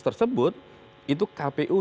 tersebut itu kpu